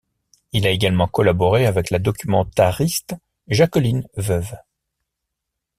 Il a également collaboré avec la documentariste Jacqueline Veuve.